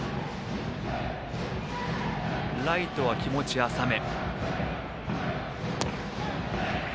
ライトは気持ち浅め。